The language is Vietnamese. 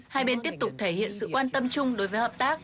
hai bên tiếp tục thể hiện sự quan tâm chung đối với hợp tác